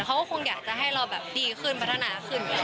เขาก็คงอยากจะให้เราแบบดีขึ้นพัฒนาขึ้น